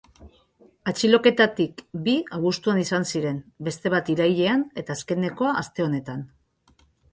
Atxiloketetatik bi abuztuan izan ziren, beste bat irailean eta azkenekoa aste honetan.